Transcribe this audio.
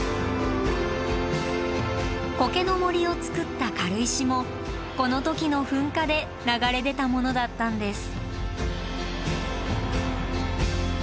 コケの森をつくった軽石もこの時の噴火で流れ出たものだったんです。